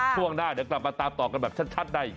ช่วงหน้าเดี๋ยวกลับมาตามต่อกันแบบชัดใน